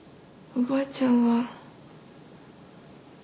おばあちゃん